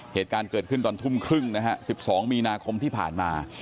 เหตุการณ์เกิดขึ้นตอนทุ่มครึ่งนะฮะ๑๒มีนาคมที่ผ่านมา